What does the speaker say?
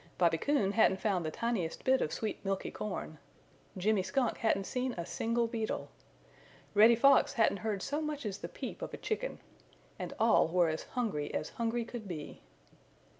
Bobby Coon hadn't found the tiniest bit of sweet milky corn. Jimmy Skunk hadn't seen a single beetle. Reddy Fox hadn't heard so much as the peep of a chicken. And all were as hungry as hungry could be.